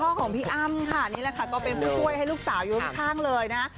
ของพี่อ้ำค่ะนี่แหละค่ะก็เป็นผู้ช่วยให้ลูกสาวอยู่ข้างเลยนะ